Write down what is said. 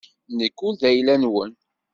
Nekk ur d ayla-nwen.